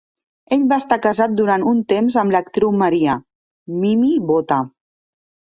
Ell va estar casat durant un temps amb l'actriu Maria "Mimi" Botta.